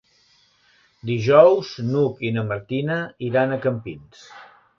Dijous n'Hug i na Martina iran a Campins.